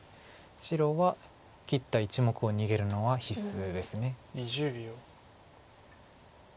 白は切った１目を逃げるのは必須です。